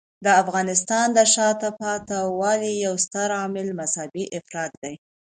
د افغانستان د شاته پاتې والي یو ستر عامل مذهبی افراطیت دی.